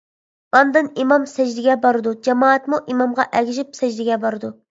ئاندىن ئىمام سەجدىگە بارىدۇ، جامائەتمۇ ئىمامغا ئەگىشىپ سەجدىگە بارىدۇ.